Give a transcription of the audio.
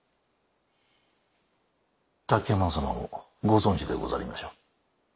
滝山様もご存じでござりましょう。